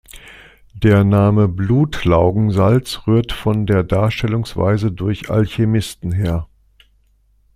Der Name "Blutlaugensalz" rührt von der Darstellungsweise durch Alchemisten her.